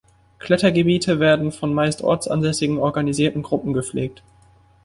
Klettergebiete werden von meist ortsansässigen organisierten Gruppen gepflegt.